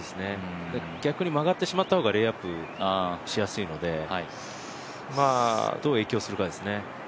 逆に曲がってしまったほうがレイアップしやすいのでどう影響するかですね。